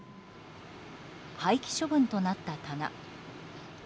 廃棄処分となった棚。